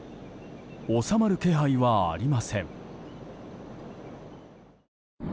収まる気配はありません。